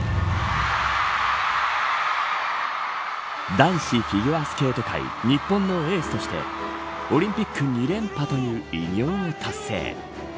男子フィギュアスケート界日本のエースとしてオリンピック２連覇という偉業を達成。